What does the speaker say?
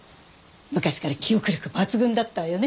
昔から記憶力抜群だったわよね。